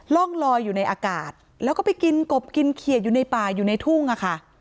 ร่องลอยอยู่ในอากาศแล้วก็ไปกินกบกินเขียดอยู่ในป่าอยู่ในทุ่งอะค่ะ